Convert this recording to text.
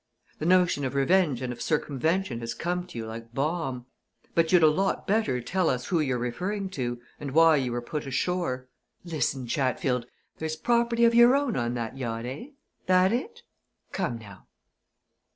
The notion of revenge and of circumvention has come to you like balm. But you'd a lot better tell us who you're referring to, and why you were put ashore. Listen, Chatfield! there's property of your own on that yacht, eh? That it? Come, now?"